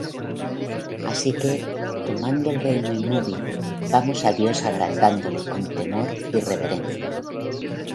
Así que, tomando el reino inmóvil, vamos á Dios agradándole con temor y reverencia;